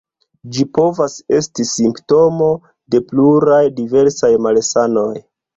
Ĝi povas esti simptomo de pluraj diversaj malsanoj.